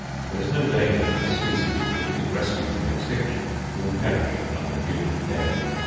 There is no danger that a species which has been rescued from extinction will perish under human care.